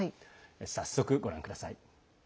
早速、ご覧ください。